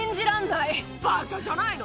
バカじゃないの？